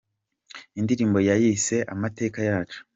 Indirimbo yayise ‘Amateka Yacu.